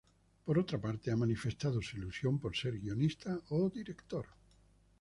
Por otra parte, ha manifestado su ilusión por ser guionista o director.